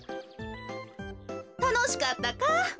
たのしかったか？